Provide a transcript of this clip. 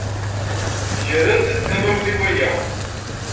Grent tamawt i waya.